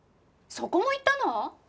そこも行ったの！？